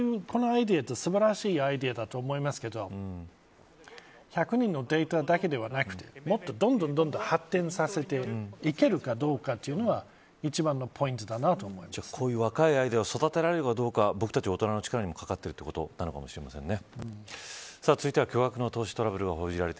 そういうこのアイデアは素晴らしいアイデアだと思いますけど１００人のデータだけではなくてもっとどんどんどんどん発展させていけるかどうかというのは一番のポイントだなとこういう若いアイデアを育てられるかどうか僕たち大人の力にもかかっているということかもしれませんね。